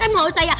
eh mau saya